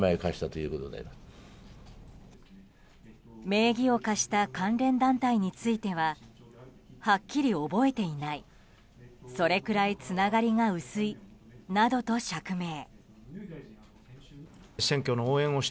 名義を貸した関連団体についてははっきり覚えていないそれくらいつながりが薄いなどと釈明。